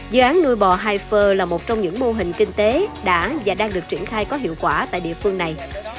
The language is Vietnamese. dự án nuôi bò haifer là một trong những mô hình kinh tế đã và đang được triển khai có hiệu quả tại địa phương này